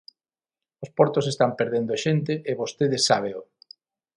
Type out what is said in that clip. Os portos están perdendo xente e vostede sábeo.